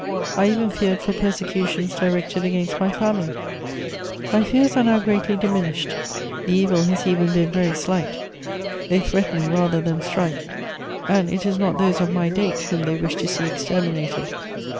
I even feared for persecutions directed against my family. My fears are now greatly diminished. The evil has even been very slight; they threaten rather than strike, and it is not those of my 'date' whom they wish to see exterminated.